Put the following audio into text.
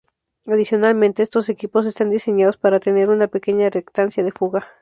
Adicionalmente, estos equipos están diseñados para tener una pequeña reactancia de fuga.